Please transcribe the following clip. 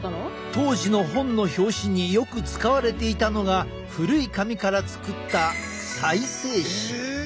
当時の本の表紙によく使われていたのが古い紙から作った再生紙。